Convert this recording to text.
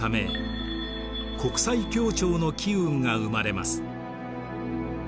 国際協調の機運が生まれます。